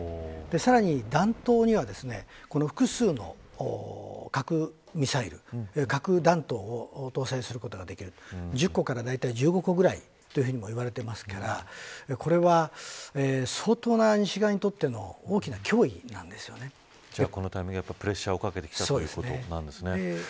さらに弾頭には、複数の核ミサイル、核弾頭を搭載することができる１０個から１５個ぐらいと言われていますからこれは、相当な西側にとってのこのタイミングでプレッシャーをかけてきたということなんですね。